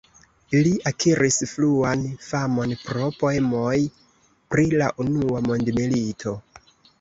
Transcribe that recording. Li akiris fruan famon pro poemoj pri la Unua Mondmilito.